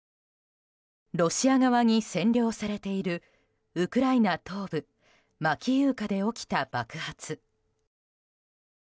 ロシア側に占領されているウクライナ東部マキイウカで起きた爆発。